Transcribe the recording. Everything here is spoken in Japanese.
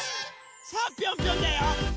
さあぴょんぴょんだよ！